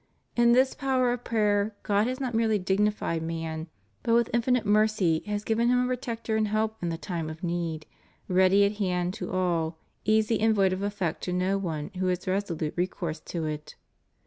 In this power of prayer God has not merely dignified man, but with infinite mercy has given him a protector and help in the time of need, ready at hand to all, easy and void of effect to no one who haa resolute recourse to it.